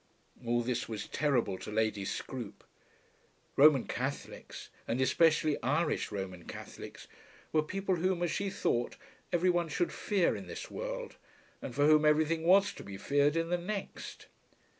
All this was terrible to Lady Scroope. Roman Catholics, and especially Irish Roman Catholics, were people whom, as she thought, every one should fear in this world, and for whom everything was to be feared in the next.